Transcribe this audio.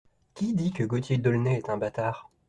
Qui dit que Gaultier d’Aulnay est un bâtard ?